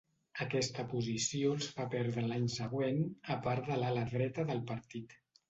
Aquesta posició els fa perdre a l'any següent a part de l'ala dreta del partit.